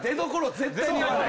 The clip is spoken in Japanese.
絶対言わない。